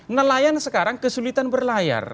nelayan sekarang kesulitan berlayar